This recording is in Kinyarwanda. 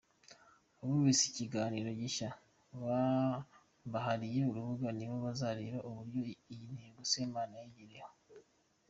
Abumvise iki kiganiro gishya mbahariye urubuga ni bo bazareba uburyo iyo ntego Semana ayigeraho.